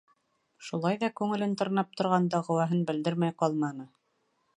Шулай ҙа күңелен тырнап торған дәғүәһен белдермәй ҡалманы.